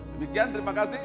demikian terima kasih